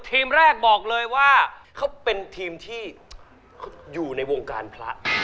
ทีมแรกบอกเลยว่าเขาเป็นทีมที่อยู่ในวงการพระ